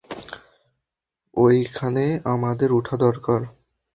ঐখানে আমার উঠা দরকার।